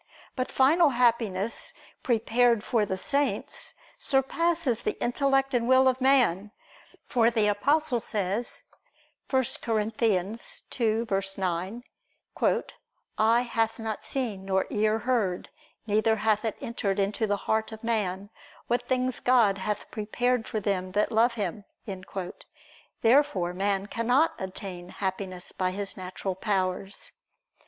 But final Happiness prepared for the saints, surpasses the intellect and will of man; for the Apostle says (1 Cor. 2:9) "Eye hath not seen, nor ear heard, neither hath it entered into the heart of man, what things God hath prepared for them that love Him." Therefore man cannot attain Happiness by his natural powers.